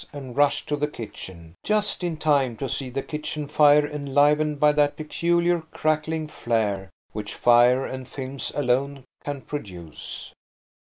and rushed to the kitchen–just in time to see the kitchen fire enlivened by that peculiar crackling flare which fire and films alone can produce.